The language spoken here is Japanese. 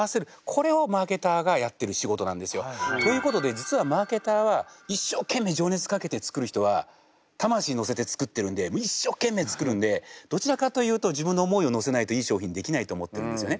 これをマーケターがやってる仕事なんですよ。ということで実はマーケターは一生懸命情熱かけて作る人は魂のせて作ってるんでもう一生懸命作るんでどちらかというと自分の思いをのせないといい商品できないと思ってるんですよね。